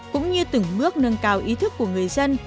cũng như từng bước nâng cao ý thức của người dân